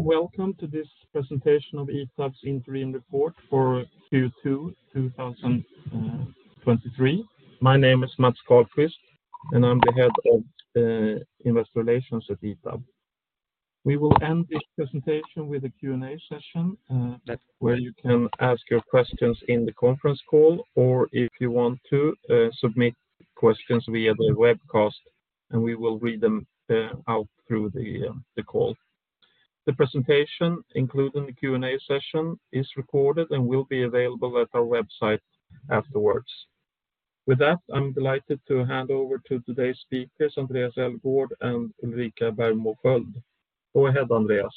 Welcome to this presentation of ITAB's interim report for Q2 2023. My name is Mats Karlqvist, and I'm the head of Investor Relations at ITAB. We will end this presentation with a Q&A session, that where you can ask your questions in the conference call, or if you want to submit questions via the webcast, and we will read them out through the call. The presentation, including the Q&A session, is recorded and will be available at our website afterwards. With that, I'm delighted to hand over to today's speakers, Andréas Elgaard and Ulrika Bergmo Sköld. Go ahead, Andréas.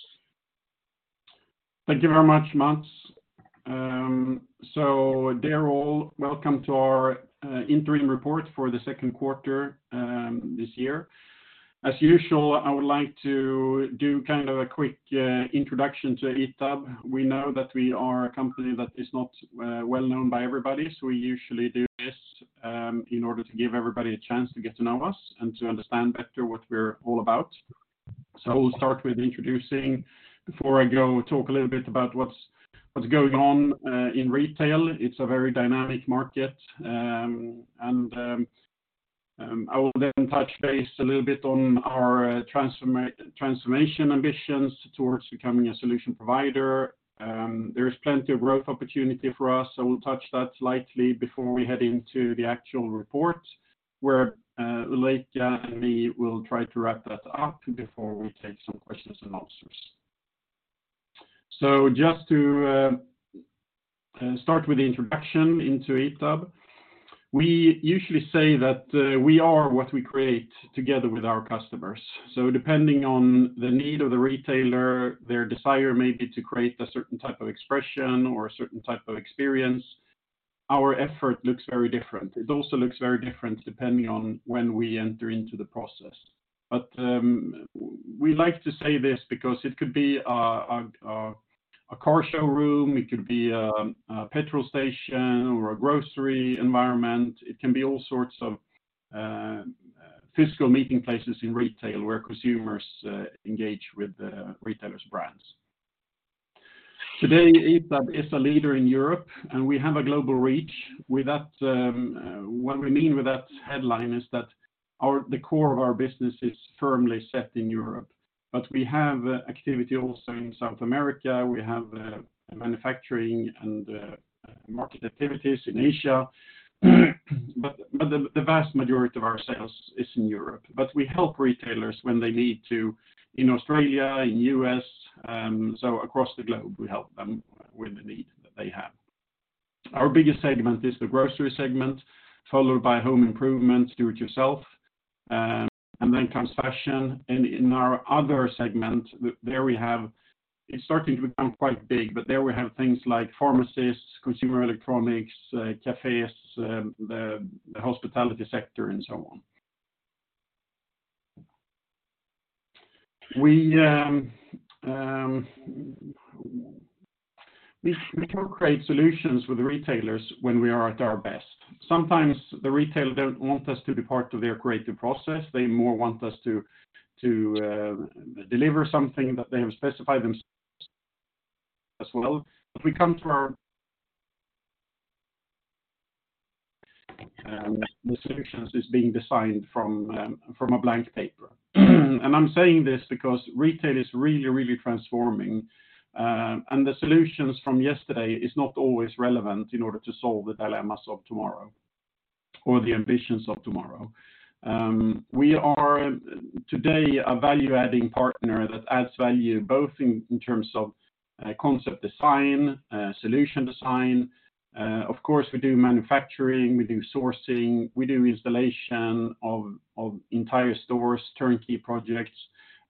Thank you very much, Mats. Dear all, welcome to our interim report for the 2nd quarter this year. As usual, I would like to do kind of a quick introduction to ITAB. We know that we are a company that is not well known by everybody, we usually do this in order to give everybody a chance to get to know us and to understand better what we're all about. We'll start with introducing. Before I talk a little bit about what's going on in retail. It's a very dynamic market, and I will then touch base a little bit on our transformation ambitions towards becoming a solution provider. There is plenty of growth opportunity for us. We'll touch that slightly before we head into the actual report, where Ulrika and me will try to wrap that up before we take some questions and answers. Just to start with the introduction into ITAB, we usually say that we are what we create together with our customers. Depending on the need of the retailer, their desire may be to create a certain type of expression or a certain type of experience, our effort looks very different. It also looks very different depending on when we enter into the process. We like to say this because it could be a car showroom, it could be a petrol station or a grocery environment. It can be all sorts of physical meeting places in retail where consumers engage with the retailers' brands. Today, ITAB is a leader in Europe. We have a global reach. With that, what we mean with that headline is that our, the core of our business is firmly set in Europe, but we have activity also in South America. We have manufacturing and market activities in Asia, but the vast majority of our sales is in Europe. We help retailers when they need to, in Australia, in U.S., so across the globe, we help them with the need that they have. Our biggest segment is the Grocery segment, followed by home improvement, Do-It-Yourself, and then comes fashion. In our other segment, It's starting to become quite big, but there we have things like pharmacists, consumer electronics, cafes, the hospitality sector, and so on. We co-create solutions with the retailers when we are at our best. Sometimes the retailer don't want us to be part of their creative process. They more want us to deliver something that they have specified as well. The solutions is being designed from a blank paper. I'm saying this because retail is really, really transforming, and the solutions from yesterday is not always relevant in order to solve the dilemmas of tomorrow or the ambitions of tomorrow. We are today a value-adding partner that adds value, both in terms of concept design, solution design. Of course, we do manufacturing, we do sourcing, we do installation of entire stores, turnkey projects,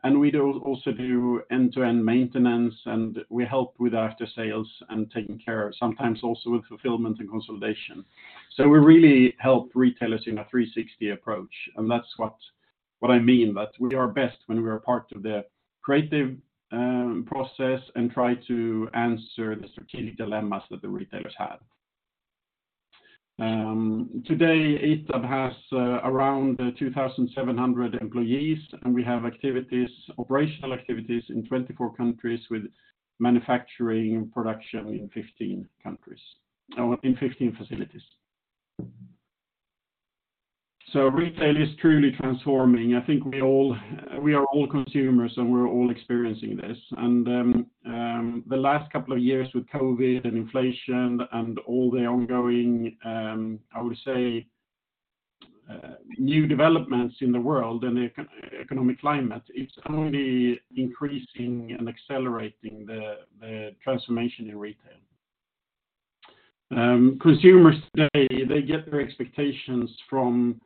and we also do end-to-end maintenance, and we help with after sales and taking care, sometimes also with fulfillment and consolidation. We really help retailers in a 360 approach, and that's what I mean. We are best when we are part of the creative process and try to answer the strategic dilemmas that the retailers have. Today, ITAB has around 2,700 employees, and we have activities, operational activities in 24 countries with manufacturing and production in 15 countries, in 15 facilities. Retail is truly transforming. I think we are all consumers, and we're all experiencing this. The last couple of years with COVID and inflation and all the ongoing, I would say, new developments in the world and eco-economic climate, it's only increasing and accelerating the transformation in retail. Consumers today, they get their expectations from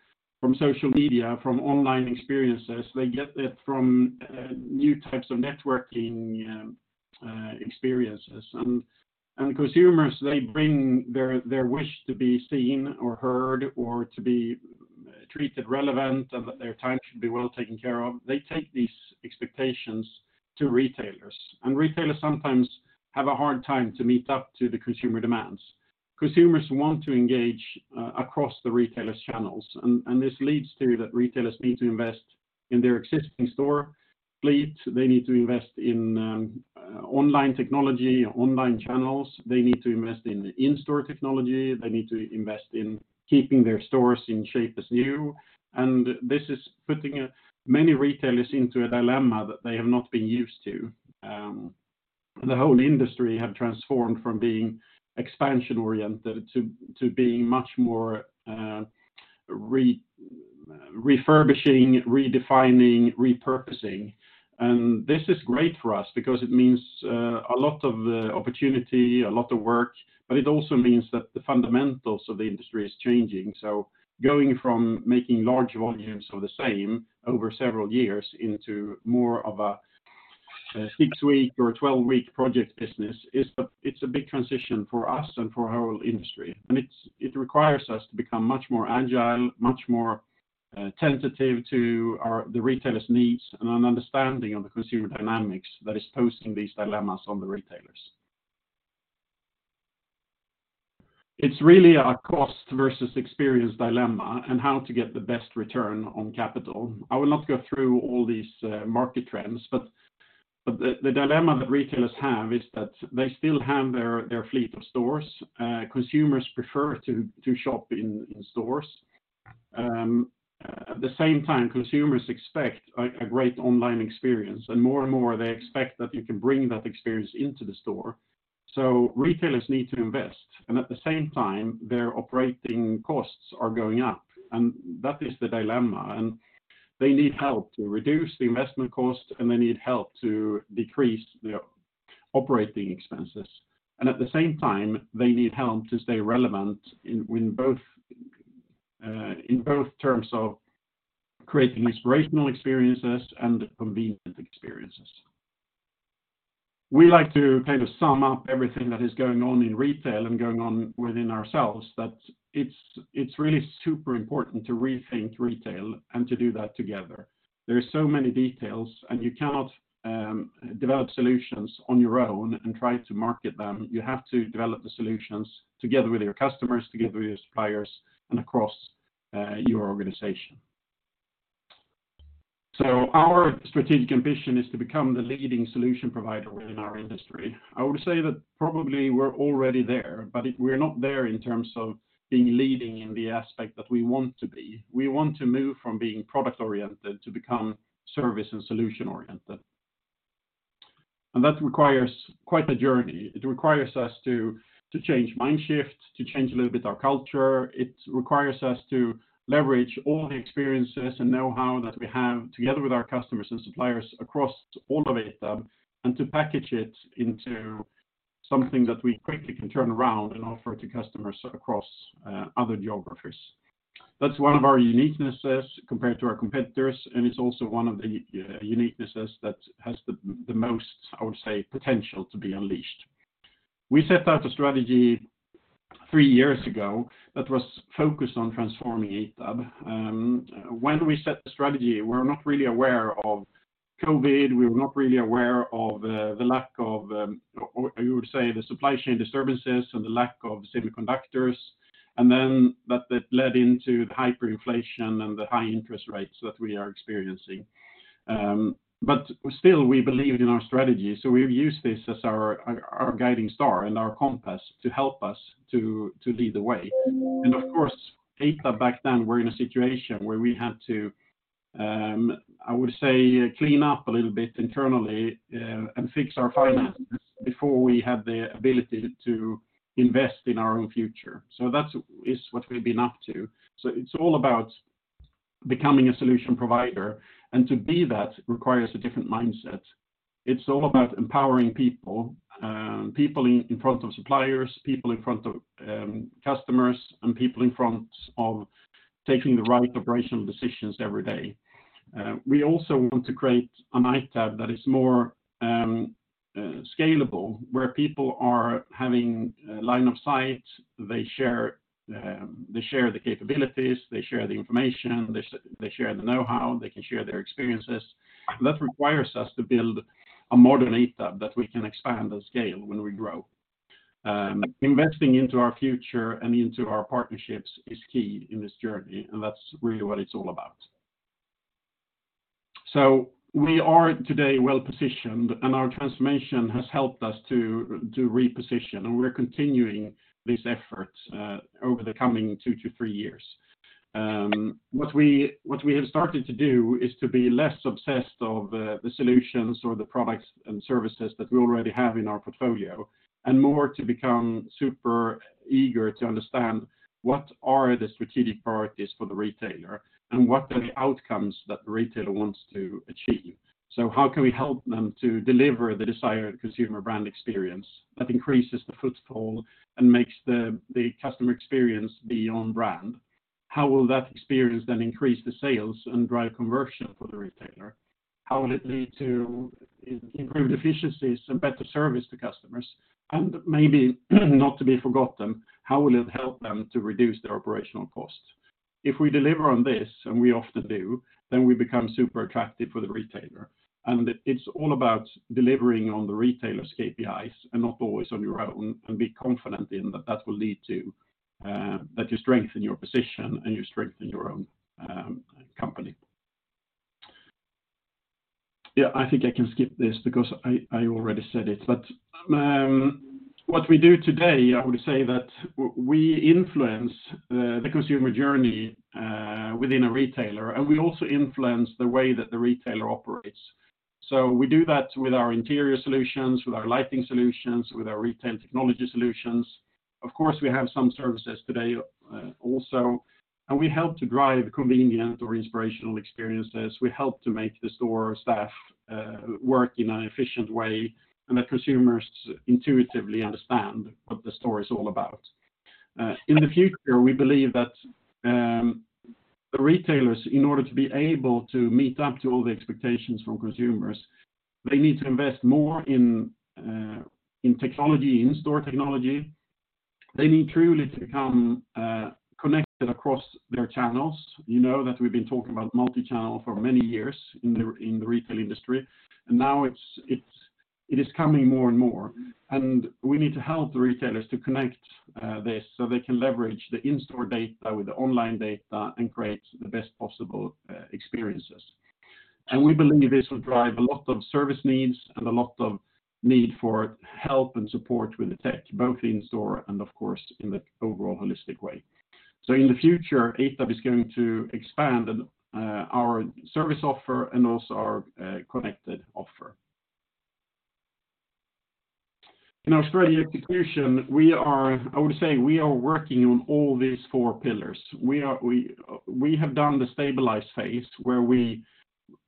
social media, from online experiences. They get it from new types of networking experiences. Consumers, they bring their wish to be seen or heard or to be treated relevant, and that their time should be well taken care of. They take these expectations to retailers, and retailers sometimes have a hard time to meet up to the consumer demands.... Consumers want to engage across the retailer's channels, and this leads to that retailers need to invest in their existing store fleet. They need to invest in online technology, online channels. They need to invest in in-store technology. They need to invest in keeping their stores in shape as new, this is putting many retailers into a dilemma that they have not been used to. The whole industry have transformed from being expansion-oriented to being much more refurbishing, redefining, repurposing. This is great for us because it means a lot of opportunity, a lot of work, but it also means that the fundamentals of the industry is changing. Going from making large volumes of the same over several years into more of a six-week or a 12-week project business it's a big transition for us and for our industry. It requires us to become much more agile, much more tentative to our, the retailers' needs, and an understanding of the consumer dynamics that is posing these dilemmas on the retailers. It's really a cost versus experience dilemma and how to get the best return on capital. I will not go through all these market trends, the dilemma that retailers have is that they still have their fleet of stores. Consumers prefer to shop in stores. At the same time, consumers expect a great online experience, and more and more, they expect that you can bring that experience into the store. Retailers need to invest, and at the same time, their operating costs are going up, and that is the dilemma. They need help to reduce the investment cost, and they need help to decrease their operating expenses. At the same time, they need help to stay relevant in both terms of creating inspirational experiences and convenient experiences. We like to kind of sum up everything that is going on in retail and going on within ourselves, that it's really super important to rethink retail and to do that together. There are so many details, you cannot develop solutions on your own and try to market them. You have to develop the solutions together with your customers, together with your suppliers, and across your organization. Our strategic ambition is to become the leading solution provider within our industry. I would say that probably we're already there, but we're not there in terms of being leading in the aspect that we want to be. We want to move from being product-oriented to become service and solution-oriented. That requires quite a journey. It requires us to change mind shift, to change a little bit our culture. It requires us to leverage all the experiences and know-how that we have together with our customers and suppliers across all of ITAB, and to package it into something that we quickly can turn around and offer to customers across other geographies. That's one of our uniquenesses compared to our competitors, and it's also one of the uniquenesses that has the most, I would say, potential to be unleashed. We set out a strategy three years ago that was focused on transforming ITAB. When we set the strategy, we were not really aware of COVID, we were not really aware of, or you would say, the supply chain disturbances and the lack of semiconductors, and then that led into the hyperinflation and the high interest rates that we are experiencing. Still, we believed in our strategy, so we've used this as our, our guiding star and our compass to help us to lead the way. Of course, ITAB, back then, we're in a situation where we had to, I would say, clean up a little bit internally, and fix our finances before we had the ability to invest in our own future. That's, is what we've been up to. It's all about becoming a solution provider, and to be that requires a different mindset. It's all about empowering people in front of suppliers, people in front of customers, and people in front of taking the right operational decisions every day. We also want to create an ITAB that is more scalable, where people are having a line of sight. They share the capabilities, they share the information, they share the know-how, they can share their experiences. That requires us to build a modern ITAB that we can expand and scale when we grow. Investing into our future and into our partnerships is key in this journey, and that's really what it's all about. We are today well-positioned, and our transformation has helped us to reposition, and we're continuing these efforts over the coming two to three years. What we have started to do is to be less obsessed of the solutions or the products and services that we already have in our portfolio, and more to become super eager to understand what are the strategic priorities for the retailer, and what are the outcomes that the retailer wants to achieve. How can we help them to deliver the desired consumer brand experience that increases the footfall and makes the customer experience be on brand? How will that experience then increase the sales and drive conversion for the retailer? How will it lead to improved efficiencies and better service to customers? Maybe, not to be forgotten, how will it help them to reduce their operational costs? If we deliver on this, and we often do, then we become super attractive for the retailer. It's all about delivering on the retailer's KPIs, and not always on your own, and be confident in that will lead to that you strengthen your position, and you strengthen your own company. Yeah, I think I can skip this because I already said it. What we do today, I would say that we influence the consumer journey within a retailer, and we also influence the way that the retailer operates. We do that with our interior solutions, with our lighting solutions, with our retail technology solutions. Of course, we have some services today, also, and we help to drive convenient or inspirational experiences. We help to make the store staff work in an efficient way, and that consumers intuitively understand what the store is all about. In the future, we believe that the retailers, in order to be able to meet up to all the expectations from consumers, they need to invest more in technology, in-store technology. They need truly to become connected across their channels. You know that we've been talking about multi-channel for many years in the retail industry, and now it is coming more and more, and we need to help the retailers to connect this, so they can leverage the in-store data with the online data and create the best possible experiences. We believe this will drive a lot of service needs and a lot of need for help and support with the tech, both in store and, of course, in the overall holistic way. In the future, ITAB is going to expand our service offer and also our connected offer. In our strategy execution, we are working on all these four pillars. We have done the stabilize phase, where we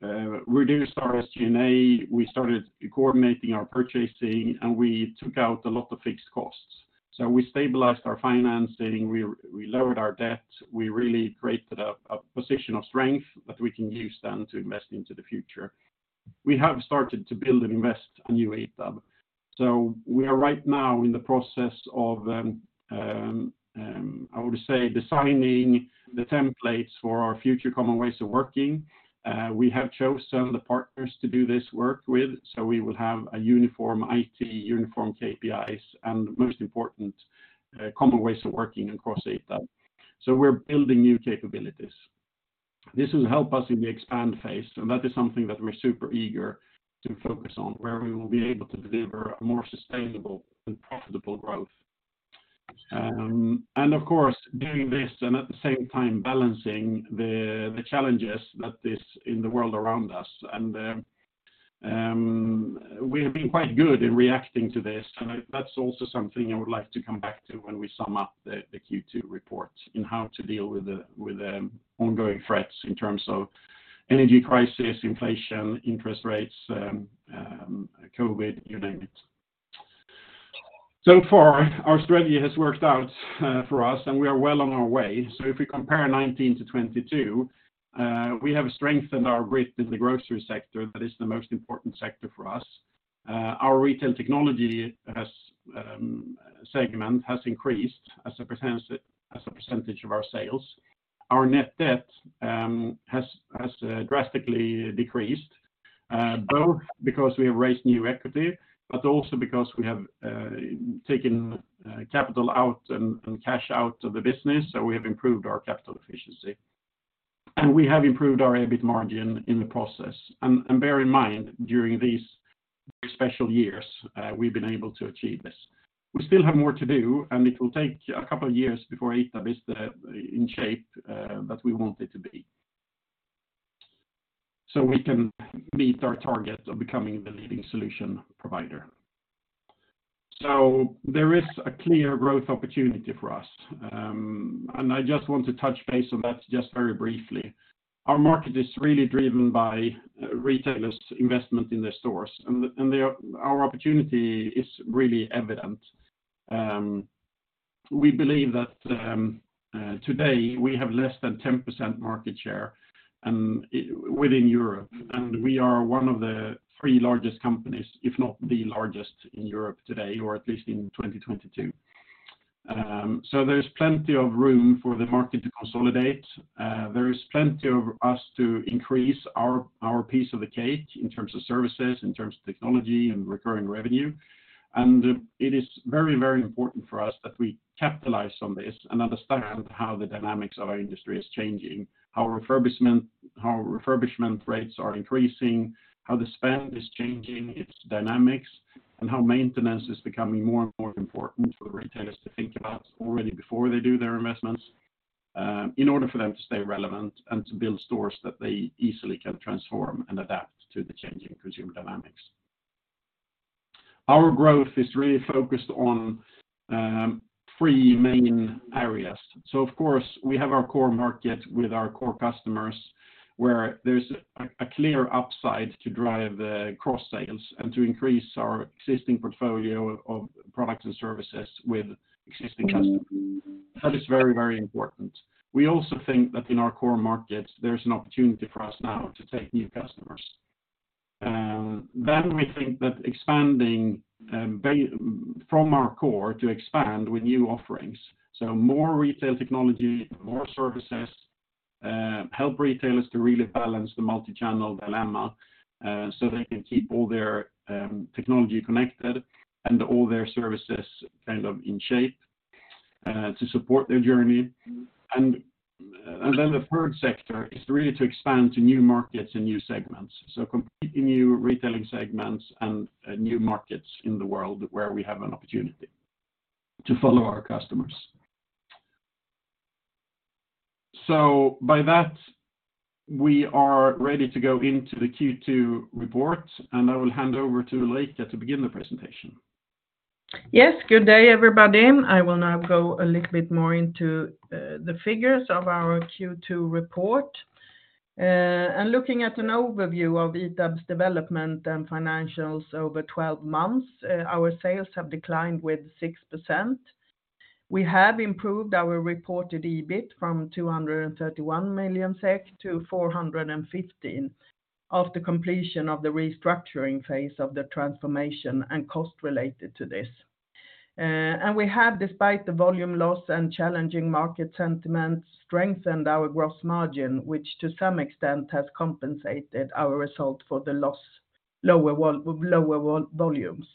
reduced our SG&A, we started coordinating our purchasing, and we took out a lot of fixed costs. We stabilized our financing, we lowered our debt. We really created a position of strength that we can use then to invest into the future. We have started to build and invest a new ITAB. We are right now in the process of designing the templates for our future common ways of working. We have chosen the partners to do this work with, we will have a uniform IT, uniform KPIs, and most important, common ways of working across ITAB. We're building new capabilities. This will help us in the expand phase, that is something that we're super eager to focus on, where we will be able to deliver a more sustainable and profitable growth. Of course, doing this and at the same time balancing the challenges that is in the world around us. We have been quite good in reacting to this, that's also something I would like to come back to when we sum up the Q2 report, in how to deal with the ongoing threats in terms of energy crisis, inflation, interest rates, COVID, you name it. So far, our strategy has worked out for us, and we are well on our way. If we compare 2019 to 2022, we have strengthened our grip in the Grocery sector. That is the most important sector for us. Our retail technology segment has increased as a % of our sales. Our net debt has drastically decreased, both because we have raised new equity, but also because we have taken capital out and cash out of the business, so we have improved our capital efficiency. We have improved our EBIT margin in the process. Bear in mind, during these special years, we've been able to achieve this. We still have more to do. It will take a couple of years before ITAB is the, in shape, that we want it to be, so we can meet our target of becoming the leading solution provider. There is a clear growth opportunity for us. I just want to touch base on that just very briefly. Our market is really driven by, retailers' investment in their stores, and our opportunity is really evident. We believe that, today we have less than 10% market share, within Europe. We are one of the three largest companies, if not the largest, in Europe today, or at least in 2022. There's plenty of room for the market to consolidate. There is plenty of us to increase our piece of the cake in terms of services, in terms of technology and recurring revenue. It is very important for us that we capitalize on this and understand how the dynamics of our industry is changing, how refurbishment rates are increasing, how the spend is changing its dynamics, and how maintenance is becoming more important for the retailers to think about already before they do their investments, in order for them to stay relevant and to build stores that they easily can transform and adapt to the changing consumer dynamics. Our growth is really focused on three main areas. Of course, we have our core market with our core customers, where there's a clear upside to drive the cross-sales and to increase our existing portfolio of products and services with existing customers. That is very important. We also think that in our core markets, there's an opportunity for us now to take new customers. Then we think that expanding from our core to expand with new offerings. More retail technology, more services, help retailers to really balance the multi-channel dilemma, so they can keep all their technology connected and all their services kind of in shape to support their journey. Then the third sector is really to expand to new markets and new segments. Completely new retailing segments and new markets in the world where we have an opportunity to follow our customers. By that, we are ready to go into the Q2 report, and I will hand over to Ulrika to begin the presentation. Yes, good day, everybody. I will now go a little bit more into the figures of our Q2 report. Looking at an overview of ITAB's development and financials over 12 months, our sales have declined with 6%. We have improved our reported EBIT from 231 million SEK to 415 million, after completion of the restructuring phase of the transformation and cost related to this. We have, despite the volume loss and challenging market sentiment, strengthened our gross margin, which to some extent has compensated our result for the loss, with lower volumes.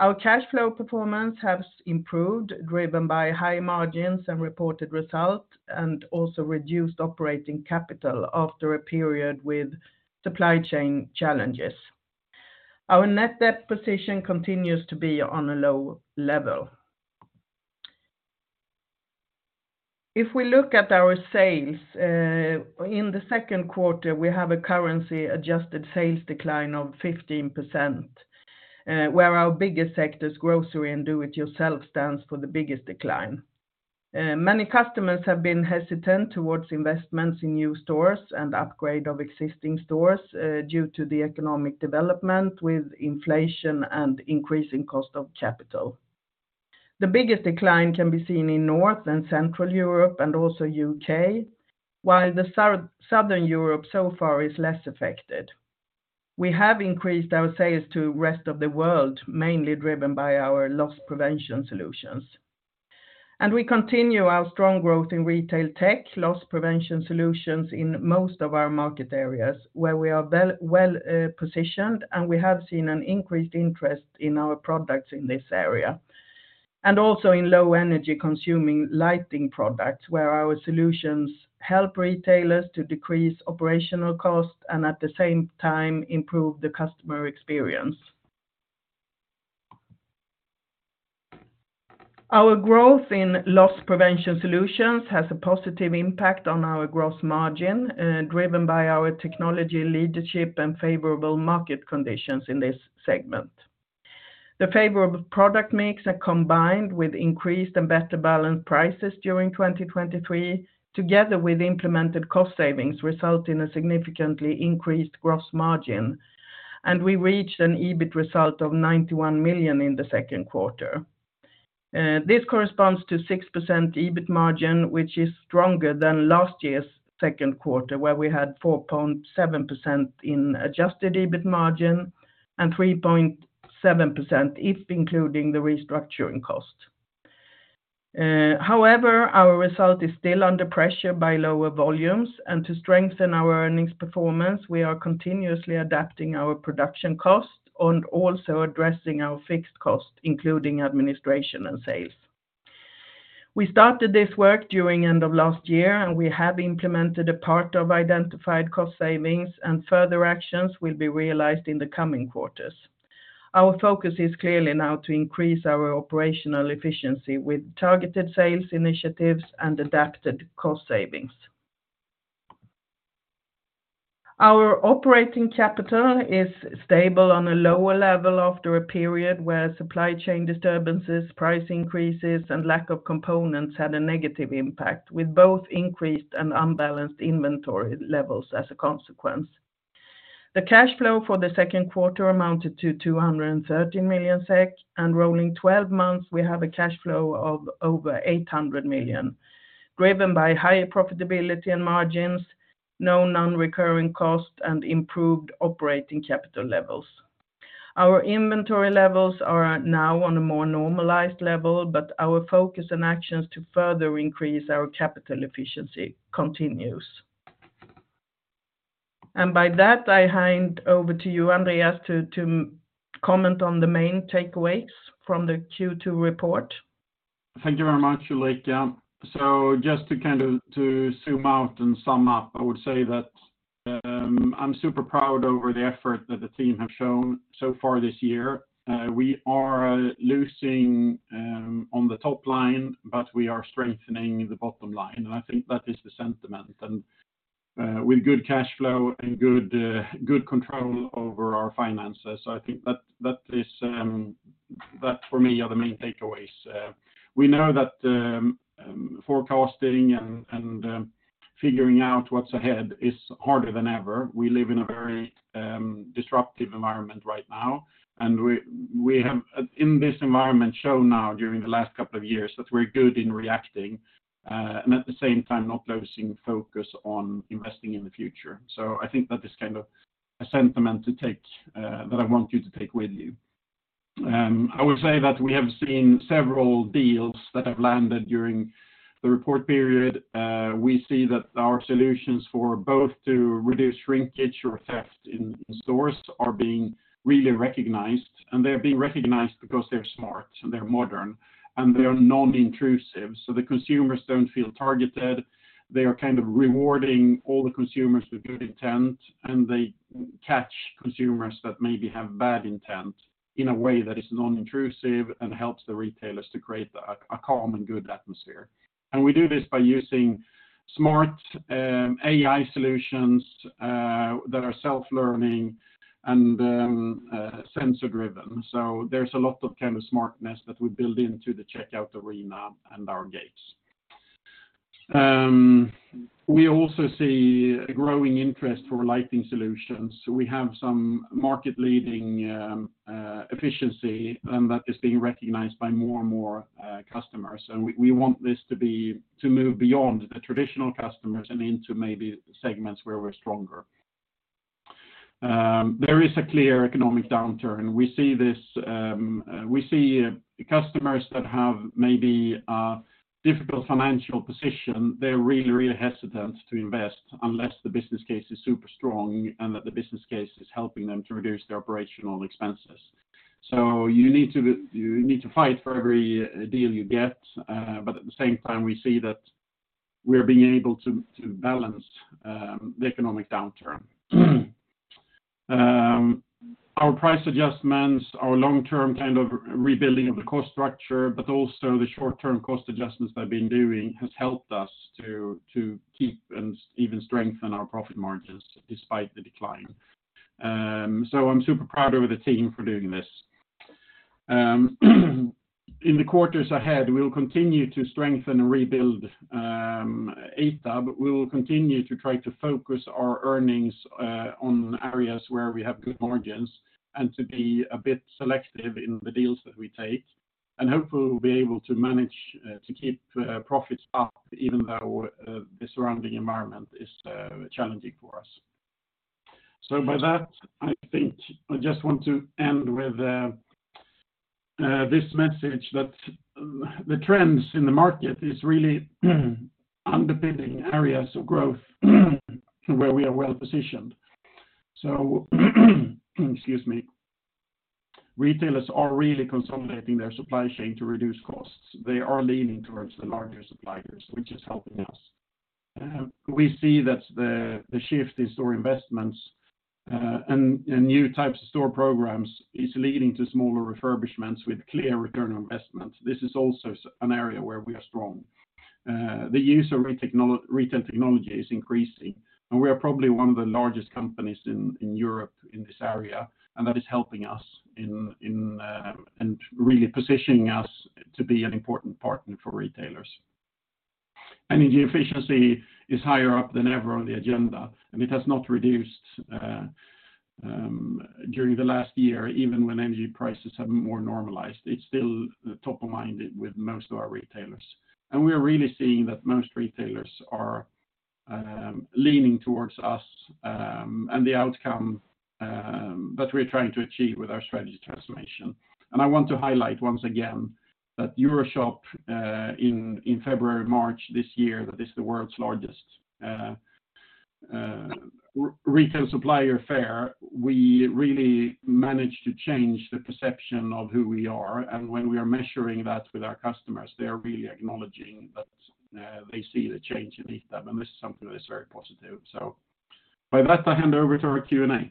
Our cash flow performance has improved, driven by high margins and reported results, also reduced operating capital after a period with supply chain challenges. Our net debt position continues to be on a low level. We look at our sales in the second quarter, we have a currency-adjusted sales decline of 15%, where our biggest sectors, Grocery and Do-It-Yourself, stands for the biggest decline. Many customers have been hesitant towards investments in new stores and upgrade of existing stores due to the economic development with inflation and increasing cost of capital. The biggest decline can be seen in North and Central Europe and also UK, while Southern Europe, so far, is less affected. We have increased our sales to rest of the world, mainly driven by our loss prevention solutions. We continue our strong growth in retail tech, loss prevention solutions in most of our market areas, where we are well positioned, and we have seen an increased interest in our products in this area, and also in low energy-consuming lighting products, where our solutions help retailers to decrease operational cost and at the same time, improve the customer experience. Our growth in loss prevention solutions has a positive impact on our gross margin, driven by our technology leadership and favorable market conditions in this segment. The favorable product mix are combined with increased and better balanced prices during 2023, together with implemented cost savings, result in a significantly increased gross margin, and we reached an EBIT result of 91 million in the second quarter. This corresponds to 6% EBIT margin, which is stronger than last year's second quarter, where we had 4.7% in adjusted EBIT margin and 3.7%, if including the restructuring cost. However, our result is still under pressure by lower volumes. To strengthen our earnings performance, we are continuously adapting our production cost and also addressing our fixed cost, including administration and sales. We started this work during end of last year. We have implemented a part of identified cost savings. Further actions will be realized in the coming quarters. Our focus is clearly now to increase our operational efficiency with targeted sales initiatives and adapted cost savings. Our operating capital is stable on a lower level after a period where supply chain disturbances, price increases, and lack of components had a negative impact, with both increased and unbalanced inventory levels as a consequence. The cash flow for the second quarter amounted to 213 million SEK, and rolling twelve months, we have a cash flow of over 800 million, driven by higher profitability and margins, no non-recurring cost, and improved operating capital levels. Our inventory levels are now on a more normalized level, but our focus and actions to further increase our capital efficiency continues. By that, I hand over to you, Andreas, to comment on the main takeaways from the Q2 report. Thank you very much, Ulrika. Just to zoom out and sum up, I would say that I'm super proud over the effort that the team have shown so far this year. We are losing on the top line, but we are strengthening the bottom line, and I think that is the sentiment. With good cash flow and good control over our finances, I think that is, that for me are the main takeaways. We know that forecasting and figuring out what's ahead is harder than ever. We live in a very disruptive environment right now, and we have, in this environment, shown now during the last couple of years, that we're good in reacting and at the same time, not losing focus on investing in the future. I think that is kind of a sentiment to take that I want you to take with you. I would say that we have seen several deals that have landed during the report period. We see that our solutions for both to reduce shrinkage or theft in stores are being really recognized, and they're being recognized because they're smart, and they're modern, and they are non-intrusive. The consumers don't feel targeted. They are kind of rewarding all the consumers with good intent, and they catch consumers that maybe have bad intent in a way that is non-intrusive and helps the retailers to create a calm and good atmosphere. We do this by using smart AI solutions that are self-learning and sensor-driven. There's a lot of kind of smartness that we build into the checkout arena and our gates. We also see a growing interest for lighting solutions. We have some market-leading efficiency, and that is being recognized by more and more customers. We, we want this to move beyond the traditional customers and into maybe segments where we're stronger. There is a clear economic downturn. We see this, we see customers that have maybe a difficult financial position. They're really hesitant to invest unless the business case is super strong and that the business case is helping them to reduce their operational expenses. You need to fight for every deal you get. At the same time, we see that we're being able to balance the economic downturn. Our price adjustments, our long-term kind of rebuilding of the cost structure, but also the short-term cost adjustments we've been doing, has helped us to keep and even strengthen our profit margins despite the decline. I'm super proud of the team for doing this. In the quarters ahead, we will continue to strengthen and rebuild ITAB, but we will continue to try to focus our earnings on areas where we have good margins and to be a bit selective in the deals that we take. Hopefully, we'll be able to manage to keep profits up even though the surrounding environment is challenging for us. By that, I think I just want to end with this message that the trends in the market is really underpinning areas of growth, where we are well positioned. Excuse me. Retailers are really consolidating their supply chain to reduce costs. They are leaning towards the larger suppliers, which is helping us. We see that the shift in store investments, and new types of store programs is leading to smaller refurbishments with clear return on investment. This is also an area where we are strong. The use of retail technology is increasing, and we are probably one of the largest companies in Europe in this area, and that is helping us and really positioning us to be an important partner for retailers. Energy efficiency is higher up than ever on the agenda, and it has not reduced during the last year, even when energy prices have more normalized. It's still top of mind with most of our retailers. We are really seeing that most retailers are leaning towards us and the outcome that we're trying to achieve with our strategy transformation. I want to highlight once again that EuroShop in February, March this year, that is the world's largest retail supplier fair. We really managed to change the perception of who we are, and when we are measuring that with our customers, they are really acknowledging that they see the change in ITAB, and this is something that is very positive. By that, I hand over to our Q&A.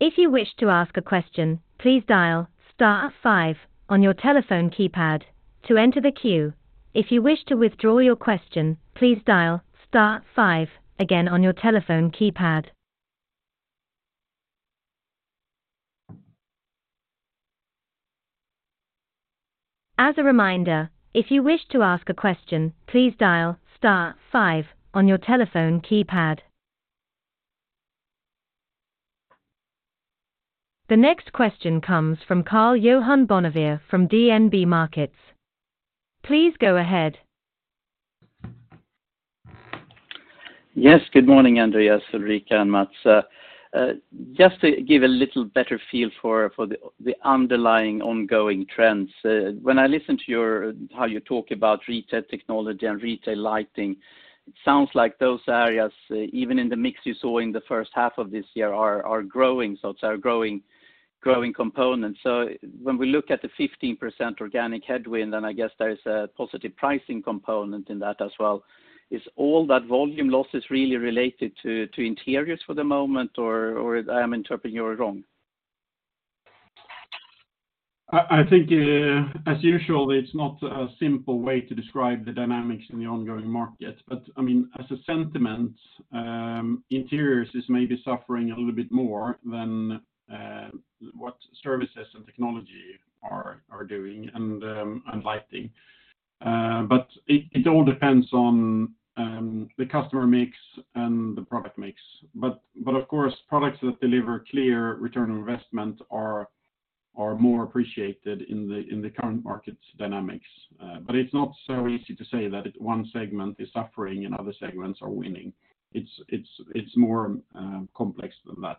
If you wish to ask a question, please dial star five on your telephone keypad to enter the queue. If you wish to withdraw your question, please dial star five again on your telephone keypad. As a reminder, if you wish to ask a question, please dial star five on your telephone keypad. The next question comes from Karl-Johan Bonnevier from DNB Markets. Please go ahead. Yes, good morning, Andréas Elgaard, Ulrika Bergmo Sköld, and Mats Karlqvist. Just to give a little better feel for the underlying ongoing trends. When I listen to your, how you talk about retail technology and retail lighting, it sounds like those areas, even in the mix you saw in the first half of this year, are growing, so are growing components. When we look at the 15% organic headwind, then I guess there is a positive pricing component in that as well. Is all that volume losses really related to interiors for the moment, or I am interpreting you wrong? I think, as usual, it's not a simple way to describe the dynamics in the ongoing market. I mean, as a sentiment, interiors is maybe suffering a little bit more than what services and technology are doing and lighting. It all depends on the customer mix and the product mix. Of course, products that deliver clear return on investment are more appreciated in the current market dynamics. It's not so easy to say that one segment is suffering and other segments are winning. It's more complex than that.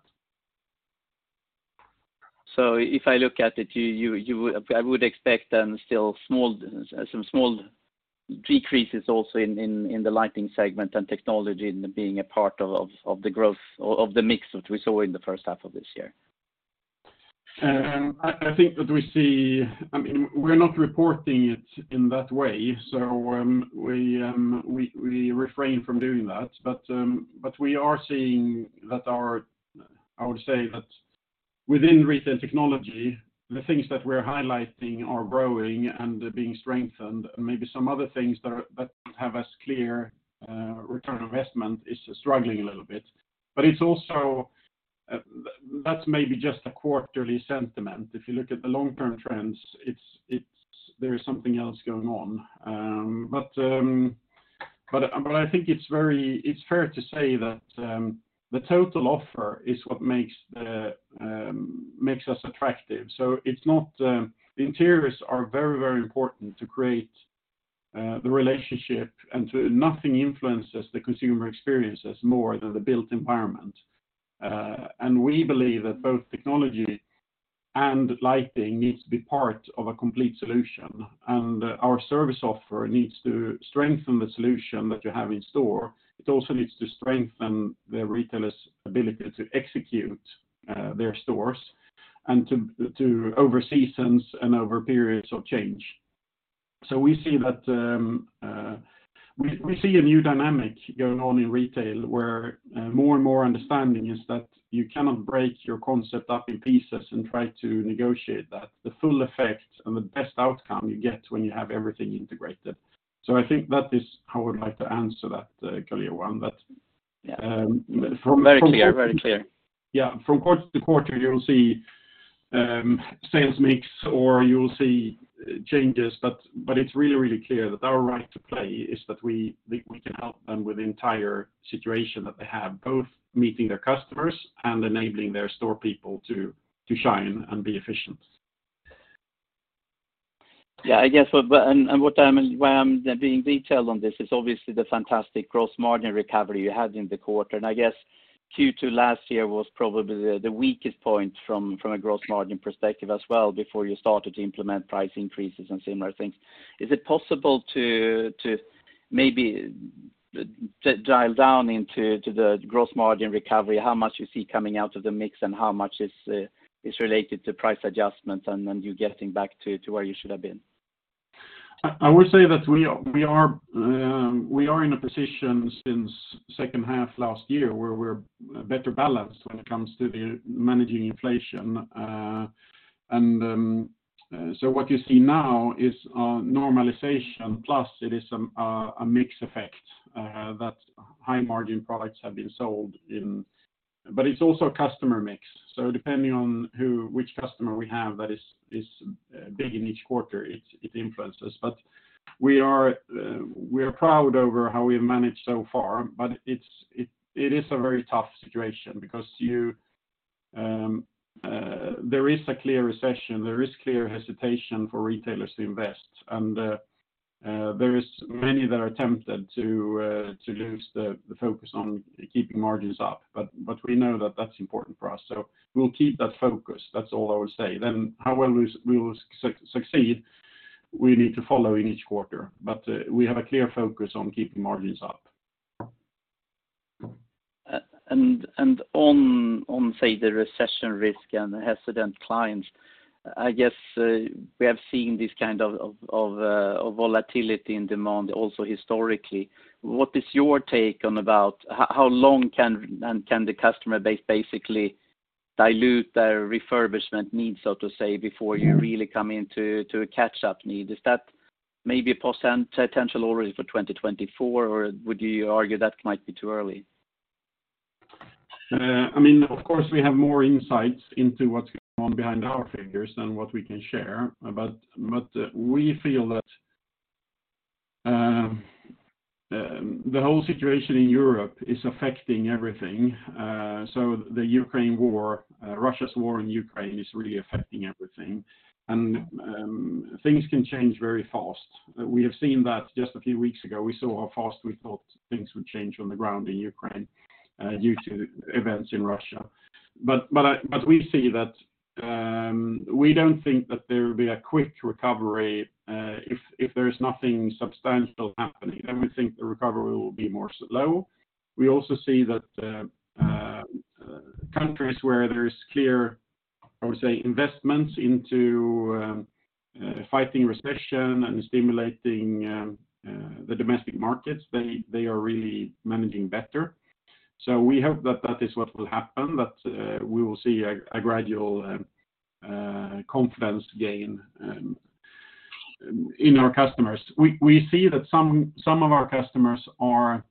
If I look at it, you, I would expect then still small, some small decreases also in the lighting segment and technology in the being a part of the growth of the mix, which we saw in the first half of this year. I think that we see, I mean, we're not reporting it in that way, so we refrain from doing that. We are seeing that our, I would say that within retail technology, the things that we're highlighting are growing and being strengthened. Maybe some other things that are, that have as clear return on investment is struggling a little bit. It's also, that's maybe just a quarterly sentiment. If you look at the long-term trends, there is something else going on. I think it's very, it's fair to say that the total offer is what makes us attractive. It's not, the interiors are very, very important to create the relationship, and to nothing influences the consumer experiences more than the built environment. We believe that both technology and lighting needs to be part of a complete solution, and our service offer needs to strengthen the solution that you have in store. It also needs to strengthen the retailer's ability to execute their stores and to over seasons and over periods of change. We see that we see a new dynamic going on in retail, where more and more understanding is that you cannot break your concept up in pieces and try to negotiate that. The full effect and the best outcome you get when you have everything integrated. I think that is how I would like to answer that clear one. Very clear, very clear. From quarter to quarter, you'll see sales mix, or you'll see changes, but it's really, really clear that our right to play is that we can help them with the entire situation that they have, both meeting their customers and enabling their store people to shine and be efficient. Yeah, I guess, but, and what I'm, why I'm being detailed on this is obviously the fantastic gross margin recovery you had in the quarter. I guess Q2 last year was probably the weakest point from a gross margin perspective as well, before you started to implement price increases and similar things. Is it possible to maybe dial down into the gross margin recovery, how much you see coming out of the mix and how much is related to price adjustments, and then you getting back to where you should have been? I would say that we are in a position since second half last year, where we're better balanced when it comes to managing inflation. What you see now is a normalization, plus it is a mix effect, that high margin products have been sold in. It's also a customer mix. Depending on who, which customer we have, that is big in each quarter, it influences. We are proud over how we've managed so far, but it's a very tough situation because there is a clear recession, there is clear hesitation for retailers to invest, there is many that are tempted to lose the focus on keeping margins up. We know that that's important for us, so we'll keep that focus. That's all I would say. How well we will succeed, we need to follow in each quarter, but we have a clear focus on keeping margins up. On, say, the recession risk and the hesitant clients, I guess, we have seen this kind of volatility in demand also historically. What is your take on about how long can the customer base basically dilute their refurbishment needs, so to say, before you really come into a catch-up need? Is that maybe potential already for 2024, or would you argue that might be too early? I mean, of course, we have more insights into what's going on behind our figures than what we can share. We feel that the whole situation in Europe is affecting everything. The Ukraine war, Russia's war in Ukraine is really affecting everything, and things can change very fast. We have seen that just a few weeks ago. We saw how fast we thought things would change on the ground in Ukraine due to events in Russia. We see that we don't think that there will be a quick recovery, if there is nothing substantial happening, then we think the recovery will be more slow. We also see that countries where there is clear, I would say, investments into fighting recession and stimulating the domestic markets, they are really managing better. We hope that that is what will happen, that we will see a gradual confidence gain in our customers. We see that some of our customers are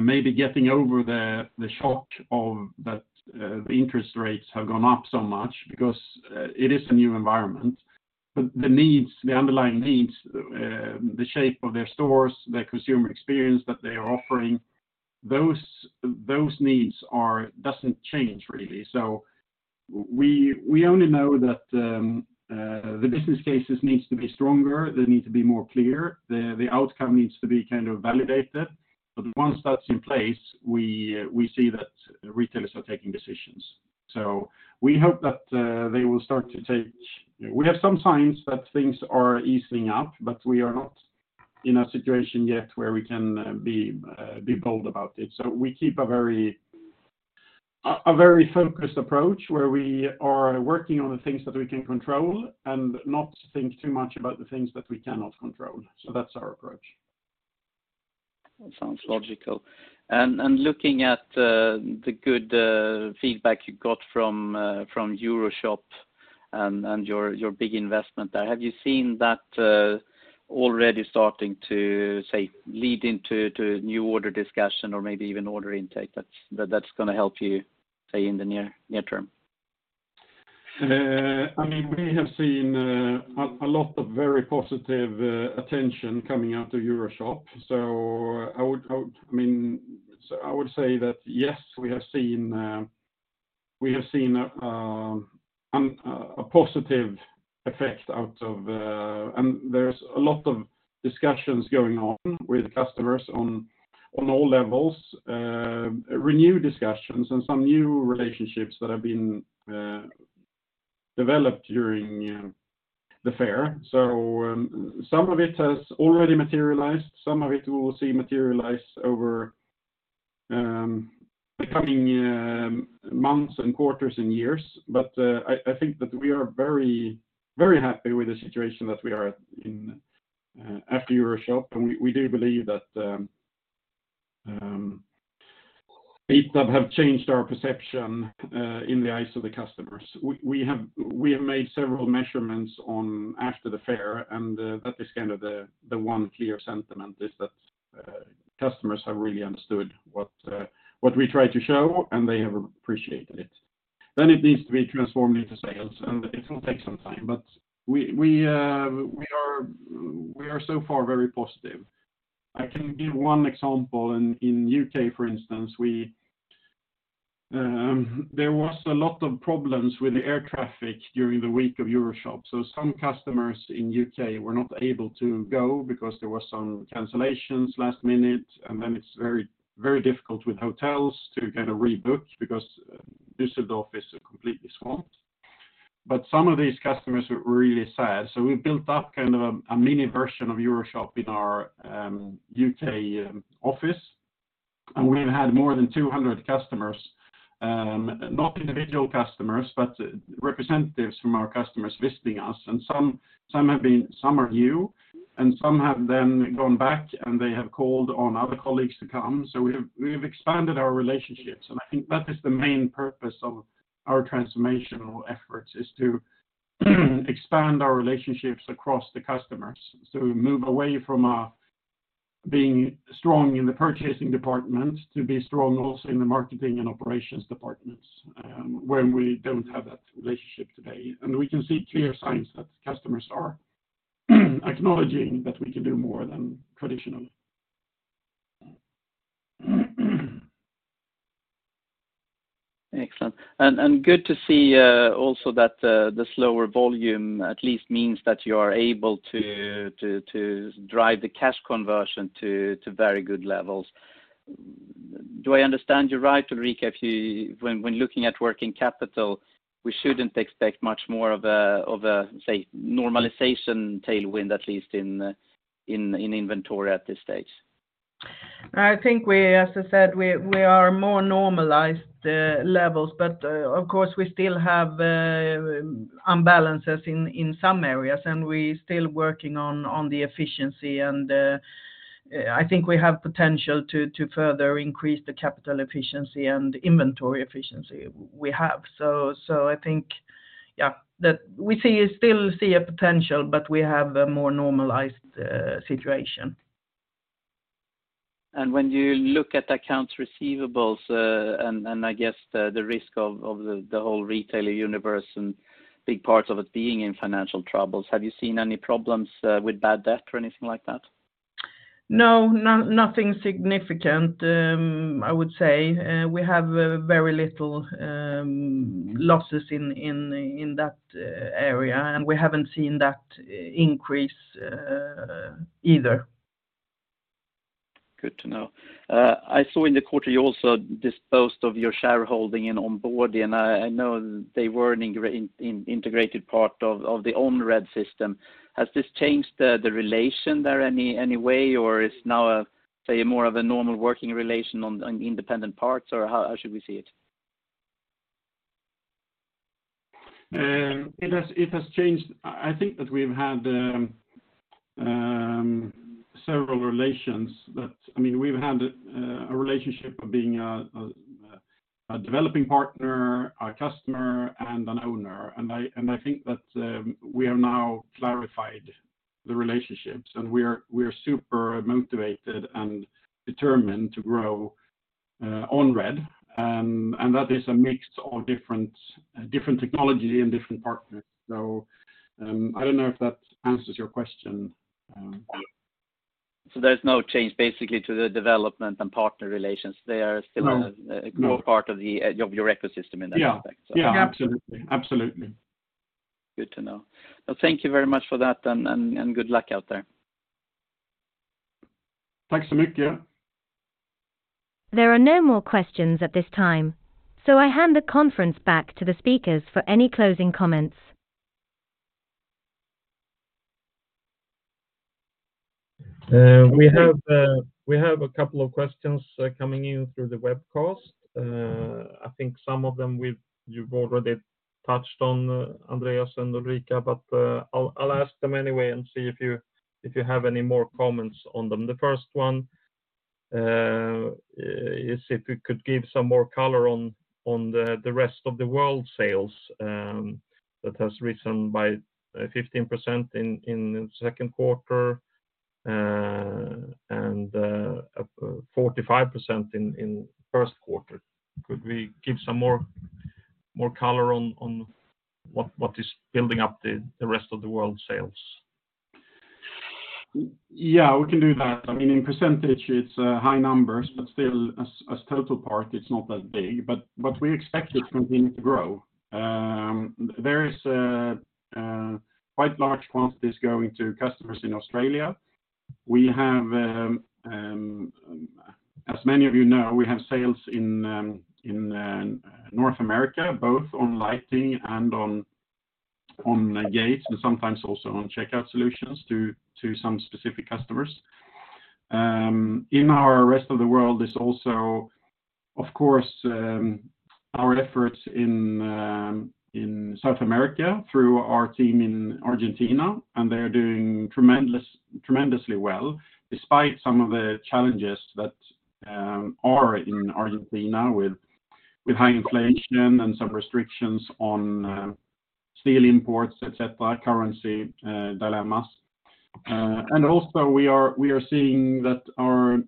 maybe getting over the shock of that the interest rates have gone up so much because it is a new environment. The needs, the underlying needs, the shape of their stores, their consumer experience that they are offering- those needs are doesn't change really. We only know that the business cases needs to be stronger, they need to be more clear, the outcome needs to be kind of validated. Once that's in place, we see that retailers are taking decisions. We hope that they will start to take. We have some signs that things are easing up, but we are not in a situation yet where we can be bold about it. We keep a very focused approach, where we are working on the things that we can control and not think too much about the things that we cannot control. That's our approach. That sounds logical. Looking at the good feedback you got from EuroShop and your big investment there, have you seen that already starting to lead into new order discussion or maybe even order intake, that's going to help you in the near term? I mean, we have seen a lot of very positive attention coming out of EuroShop. I would say that, yes, we have seen a positive effect out of. There's a lot of discussions going on with customers on all levels, renewed discussions and some new relationships that have been developed during the fair. Some of it has already materialized, some of it we will see materialize over the coming months and quarters and years. I think that we are very, very happy with the situation that we are at in after EuroShop, and we do believe that Eat Club have changed our perception in the eyes of the customers. We have made several measurements on after the fair. That is kind of the one clear sentiment, is that customers have really understood what we try to show, and they have appreciated it. It needs to be transformed into sales, and it will take some time, but we are so far very positive. I can give one example. In U.K., for instance, we there was a lot of problems with the air traffic during the week of EuroShop. Some customers in U.K. were not able to go because there were some cancellations last minute, and then it's very difficult with hotels to kind of rebook because Düsseldorf is completely swamped. Some of these customers were really sad, so we built up kind of a mini version of EuroShop in our UK office, and we've had more than 200 customers, not individual customers, but representatives from our customers visiting us, and some are new, and some have then gone back, and they have called on other colleagues to come. We have expanded our relationships, and I think that is the main purpose of our transformational efforts, is to expand our relationships across the customers. Move away from being strong in the purchasing department, to be strong also in the marketing and operations departments, where we don't have that relationship today. We can see clear signs that customers are acknowledging that we can do more than traditionally. Excellent. Good to see also that the slower volume at least means that you are able to drive the cash conversion to very good levels. Do I understand you right, Ulrika, when looking at working capital, we shouldn't expect much more of a, say, normalization tailwind, at least in inventory at this stage? I think we, as I said, we are more normalized levels. Of course, we still have imbalances in some areas. We still working on the efficiency. I think we have potential to further increase the capital efficiency and inventory efficiency we have. I think, yeah, that we still see a potential, but we have a more normalized situation. When you look at accounts receivables, and I guess the risk of the whole retailer universe and big parts of it being in financial troubles, have you seen any problems with bad debt or anything like that? No, nothing significant. I would say, we have very little losses in that area, and we haven't seen that increase either. Good to know. I saw in the quarter you also disposed of your shareholding in OnRed. I know they were an integrated part of the OnRed system. Has this changed the relation there any way, or is now a, say, more of a normal working relation on independent parts, or how should we see it? It has changed. I think that we've had several relations. I mean, we've had a relationship of being a developing partner, a customer, and an owner. I think that we have now clarified the relationships, and we are super motivated and determined to grow OnRed, and that is a mix of different technology and different partners. I don't know if that answers your question. There's no change basically to the development and partner relations? They are still- No. A core part of your ecosystem in that respect? Yeah. Yeah, absolutely. Absolutely. Good to know. Well, thank you very much for that, and good luck out there. Thanks so much, yeah. There are no more questions at this time. I hand the conference back to the speakers for any closing comments. We have a couple of questions coming in through the webcast. I think some of them you've already touched on, Andréas and Ulrika. I'll ask them anyway and see if you have any more comments on them. The first one is if you could give some more color on the rest of the world sales that has risen by 15% in the second quarter and 45% in first quarter. Could we give some more color on what is building up the rest of the world sales? Yeah, we can do that. I mean, in percentage, it's high numbers, but still as total part, it's not that big. What we expect it to continue to grow. There is quite large quantities going to customers in Australia. As many of you know, we have sales in North America, both on lighting and on gates, and sometimes also on checkout solutions to some specific customers. In our rest of the world is also, of course, our efforts in South America through our team in Argentina, and they are doing tremendously well, despite some of the challenges that are in Argentina with high inflation and some restrictions on steel imports, et cetera, currency dilemmas. Also we are seeing that our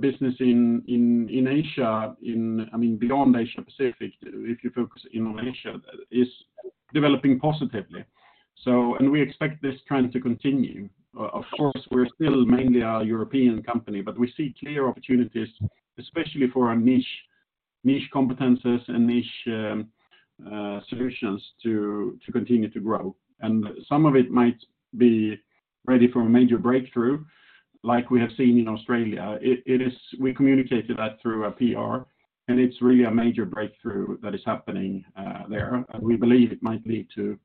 business in Asia, in, I mean, beyond Asia-Pacific, if you focus in Asia, is developing positively. We expect this trend to continue. Of course, we're still mainly a European company, but we see clear opportunities, especially for our niche competencies and niche solutions to continue to grow. Some of it might be ready for a major breakthrough like we have seen in Australia. We communicated that through a PR, and it's really a major breakthrough that is happening there. We believe it might lead to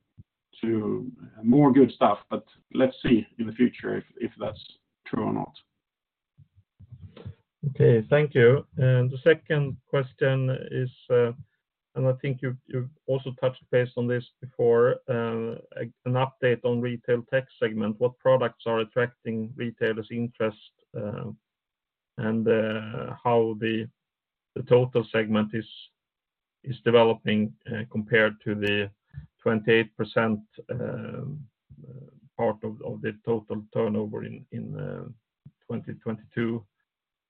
more good stuff, but let's see in the future if that's true or not. Okay, thank you. The second question is, and I think you've also touched base on this before, an update on retail tech segment. What products are attracting retailers' interest, and how the total segment is developing compared to the 28% part of the total turnover in 2022,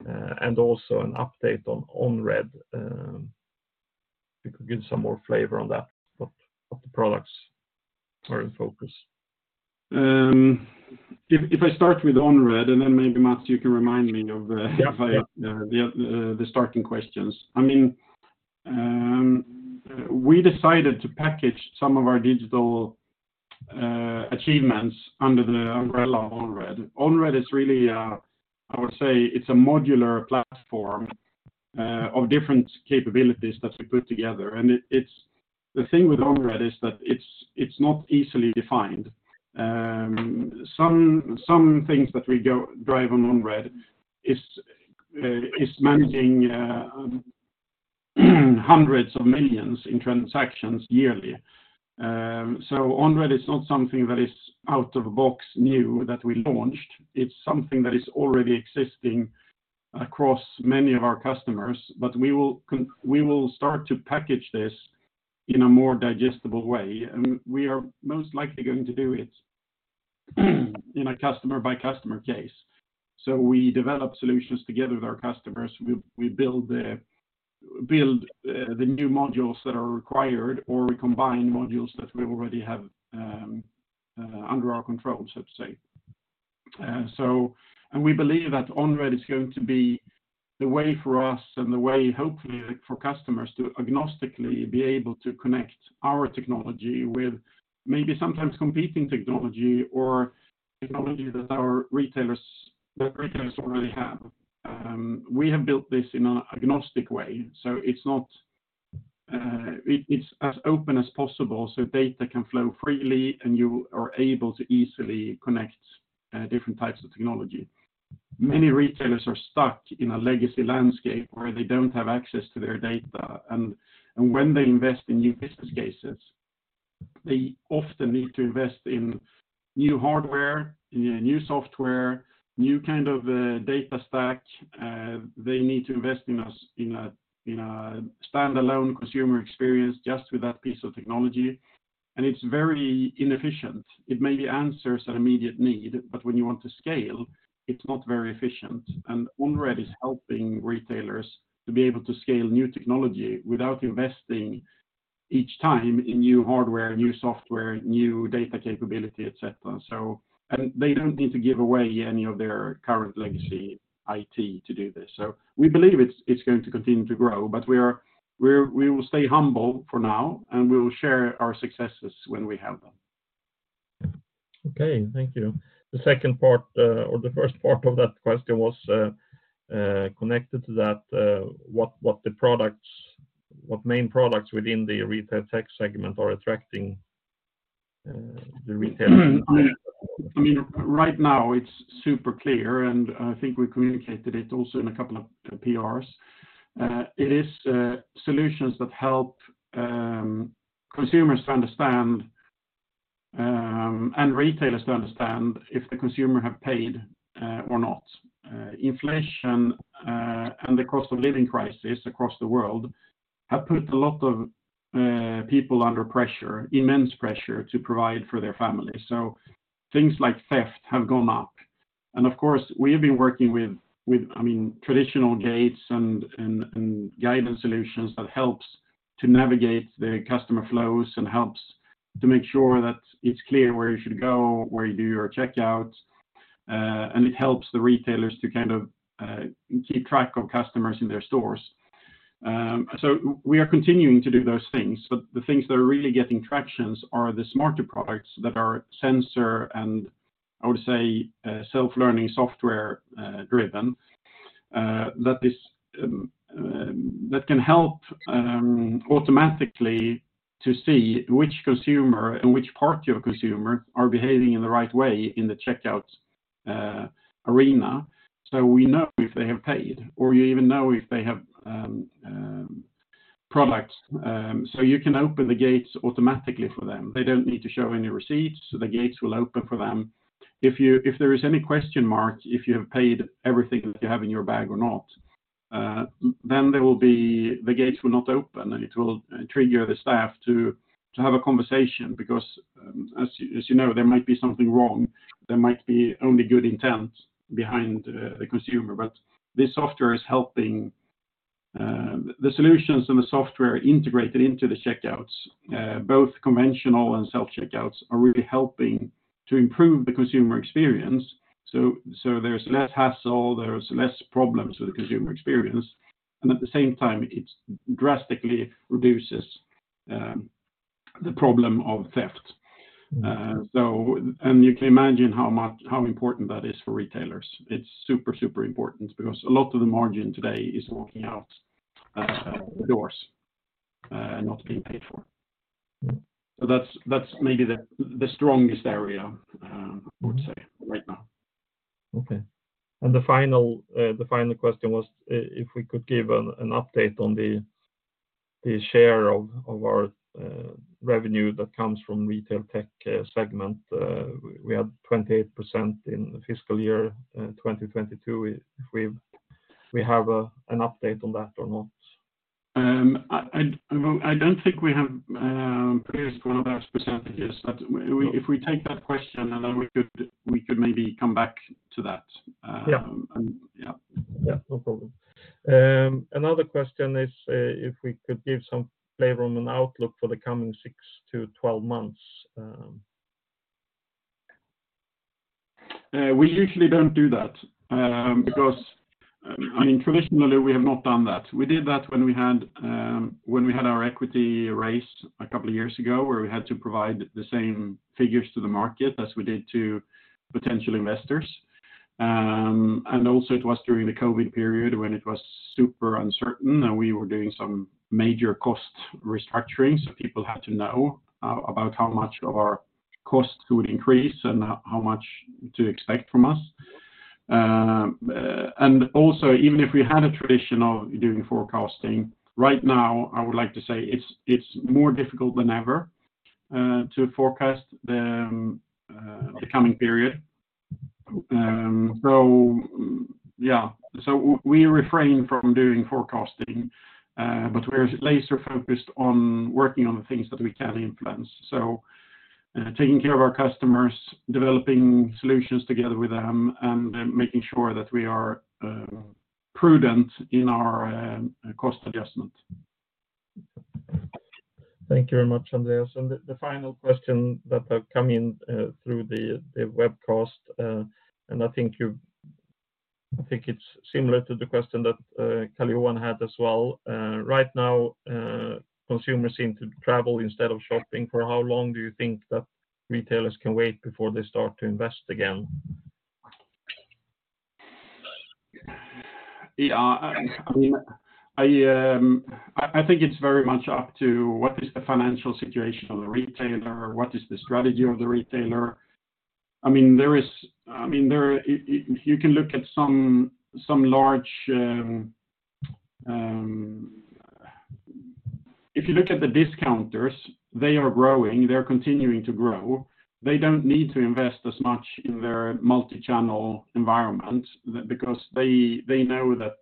and also an update on OnRed? If you could give some more flavor on that, what the products are in focus. If I start with OnRed, and then maybe, Mats, you can remind me of. Yeah... the starting questions. I mean, we decided to package some of our digital achievements under the umbrella of OnRed. OnRed is really, I would say it's a modular platform of different capabilities that we put together. The thing with OnRed is that it's not easily defined. Some things that we drive on OnRed is managing hundreds of millions in transactions yearly. OnRed is not something that is out-of-the-box new that we launched. It's something that is already existing across many of our customers, but we will start to package this in a more digestible way, and we are most likely going to do it in a customer-by-customer case. We develop solutions together with our customers. We build the new modules that are required, or we combine modules that we already have under our control, so to say. We believe that OnRed is going to be the way for us and the way, hopefully, for customers to agnostically be able to connect our technology with maybe sometimes competing technology or technology that retailers already have. We have built this in an agnostic way, so it's not, it's as open as possible, so data can flow freely, and you are able to easily connect different types of technology. Many retailers are stuck in a legacy landscape where they don't have access to their data, and when they invest in new business cases, they often need to invest in new hardware, in a new software, new kind of data stack. They need to invest in a, in a, in a standalone consumer experience just with that piece of technology. It's very inefficient. It maybe answers an immediate need, but when you want to scale, it's not very efficient. OnRed is helping retailers to be able to scale new technology without investing each time in new hardware, new software, new data capability, et cetera. They don't need to give away any of their current legacy IT to do this. We believe it's going to continue to grow, but we will stay humble for now, and we will share our successes when we have them. Okay, thank you. The second part, or the first part of that question was, connected to that, what the products, what main products within the retail tech segment are attracting, the retail? I mean, right now, it's super clear, and I think we communicated it also in a couple of PRs. it is solutions that help consumers to understand and retailers to understand if the consumer have paid or not. inflation and the cost of living crisis across the world have put a lot of people under pressure, immense pressure to provide for their family. things like theft have gone up. of course, we have been working with, I mean traditional gates and guidance solutions that helps to navigate the customer flows and helps to make sure that it's clear where you should go, where you do your checkout, and it helps the retailers to kind of keep track of customers in their stores. We are continuing to do those things, but the things that are really getting tractions are the smarter products that are sensor, and I would say, self-learning software driven, that is, that can help automatically to see which consumer and which part your consumer are behaving in the right way in the checkout arena. We know if they have paid or you even know if they have products, so you can open the gates automatically for them. They don't need to show any receipts, so the gates will open for them. If there is any question mark, if you have paid everything that you have in your bag or not, then the gates will not open, and it will trigger the staff to have a conversation because, as you know, there might be something wrong. There might be only good intent behind the consumer, but this software is helping the solutions and the software integrated into the checkouts, both conventional and self-checkouts, are really helping to improve the consumer experience. There's less hassle, there's less problems with the consumer experience, and at the same time, it drastically reduces the problem of theft. And you can imagine how much, how important that is for retailers. It's super important because a lot of the margin today is walking out, the doors, and not being paid for. That's maybe the strongest area, I would say right now. Okay. The final question was if we could give an update on the share of our revenue that comes from retail tech segment. We had 28% in the fiscal year 2022. If we have an update on that or not? I don't think we have previous one of those percentages, but if we take that question, and then we could maybe come back to that. Yeah. Yeah. No problem. Another question is, if we could give some flavor on the outlook for the coming 6-12 months? We usually don't do that, because, I mean, traditionally, we have not done that. We did that when we had our equity raised a couple of years ago, where we had to provide the same figures to the market as we did to potential investors. It was during the COVID period when it was super uncertain, and we were doing some major cost restructuring, so people had to know about how much of our costs could increase and how much to expect from us. Even if we had a tradition of doing forecasting, right now, I would like to say it's more difficult than ever to forecast the coming period. Yeah. We refrain from doing forecasting, but we're laser-focused on working on the things that we can influence. Taking care of our customers, developing solutions together with them, and making sure that we are prudent in our cost adjustment. Thank you very much, Andreas. The, the final question that have come in, through the webcast, and I think it's similar to the question that Calion had as well. Right now, consumers seem to travel instead of shopping. For how long do you think that retailers can wait before they start to invest again? I mean, I think it's very much up to what is the financial situation of the retailer? What is the strategy of the retailer? I mean, there is, I mean, there, if you can look at some large. If you look at the discounters, they are growing, they're continuing to grow. They don't need to invest as much in their multi-channel environment, because they know that,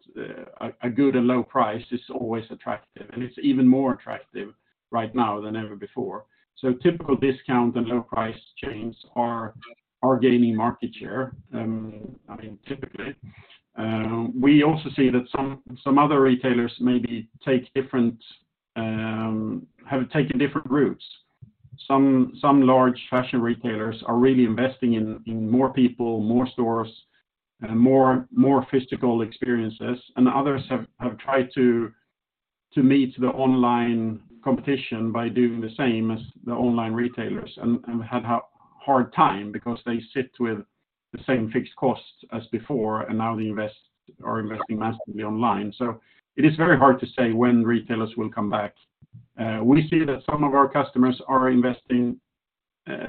a good and low price is always attractive, and it's even more attractive right now than ever before. Typical discount and low price chains are gaining market share, I mean, typically. We also see that some other retailers maybe take different, have taken different routes. Some large fashion retailers are really investing in more people, more stores, and more physical experiences, and others have tried to meet the online competition by doing the same as the online retailers and have a hard time because they sit with the same fixed costs as before, and now they investing massively online. It is very hard to say when retailers will come back. We see that some of our customers are investing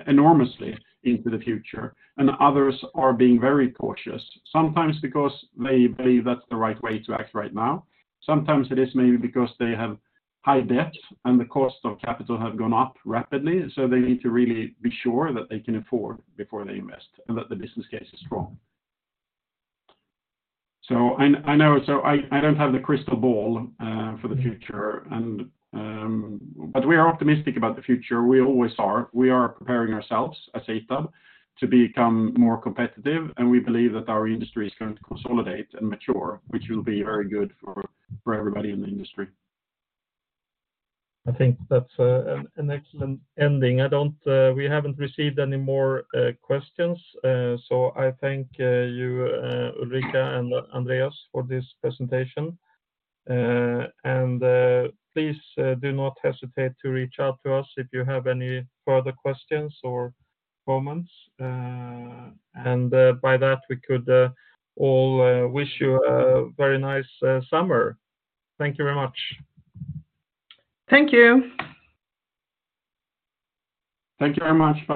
enormously into the future, and others are being very cautious, sometimes because they believe that's the right way to act right now. Sometimes it is maybe because they have high debts and the cost of capital have gone up rapidly, so they need to really be sure that they can afford before they invest and that the business case is strong. I know, so I don't have the crystal ball for the future. We are optimistic about the future. We always are. We are preparing ourselves as ITAB to become more competitive. We believe that our industry is going to consolidate and mature, which will be very good for everybody in the industry. I think that's an excellent ending. I don't, we haven't received any more questions, so I thank you, Ulrika and Andreas, for this presentation. Please do not hesitate to reach out to us if you have any further questions or comments. By that, we could all wish you a very nice summer. Thank you very much. Thank you. Thank you very much. Bye.